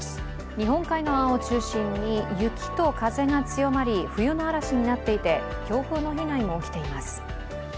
日本海側を中心に雪と風が強まり、冬の嵐になっていて強風の被害も起きています。